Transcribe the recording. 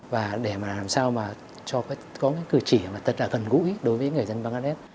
và để mà làm sao mà có cái cử chỉ thật là gần gũi đối với người dân bangladesh